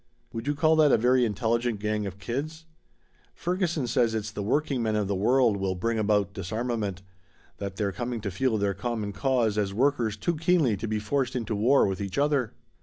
Would you call that a very intelligent gang of kids? Ferguson says it's the workingmen of the world will bring about disarmament. That they're coming to feel their common cause as workers too keenly to be forced into war with each other."